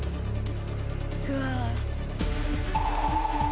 うわ。